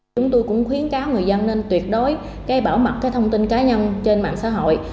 chúng tôi cũng khuyến cáo người dân nên tuyệt đối bảo mật thông tin cá nhân trên mạng xã hội